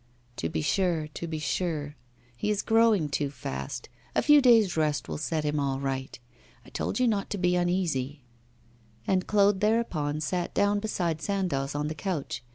'To be sure, to be sure; he is growing too fast. A few days' rest will set him all right. I told you not to be uneasy.' And Claude thereupon sat down beside Sandoz on the couch.